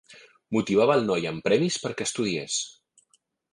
Motivava el noi amb premis perquè estudiés.